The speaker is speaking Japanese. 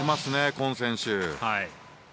コン選手。